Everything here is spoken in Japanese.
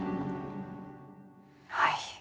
はい。